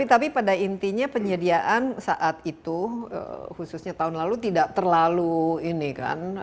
tapi pada intinya penyediaan saat itu khususnya tahun lalu tidak terlalu ini kan